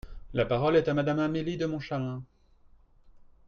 La parole est à Madame Amélie de Montchalin.